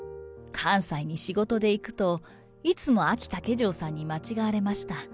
関西に仕事で行くと、いつもあき竹城さんに間違われました。